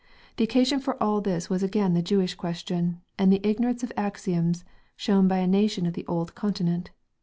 The occasion for all this was again the Jewish question, and the ignorance of axioms shown by a nation of the old continent.